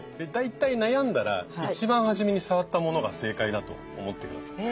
大体悩んだら一番初めに触ったものが正解だと思って下さい。